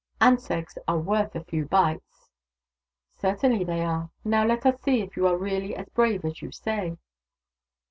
" Ants' eggs are worth a few bites." " Certainly they are. Now let us see if you are really as brave as you say."